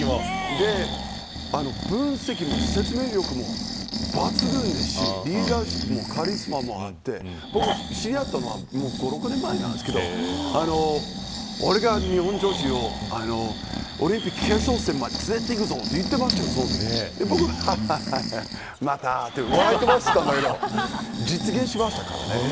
分析も説明力も抜群ですしリーダーシップもカリスマ性もあって知り合ったのは５、６年前なんですけど俺が日本女子をオリンピック決勝戦まで連れて行くぞと言っていまして実現しましたからね。